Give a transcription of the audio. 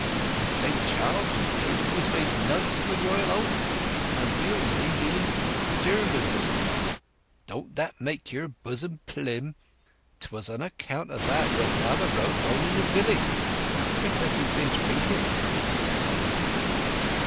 In Saint Charles's days we was made Knights o' the Royal Oak, our real name being d'Urberville!... Don't that make your bosom plim? 'Twas on this account that your father rode home in the vlee; not because he'd been drinking, as people supposed."